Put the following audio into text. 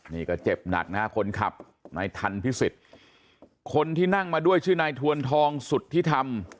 นี่ก็เจ็บหนักนะฮะคนขับนายทันพิสิทธิ์คนที่นั่งมาด้วยชื่อนายทวนทองสุธิธรรม